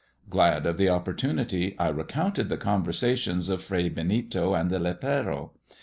Glad of the opportunity, I recounted the conversations of Fray Benito and the lepero.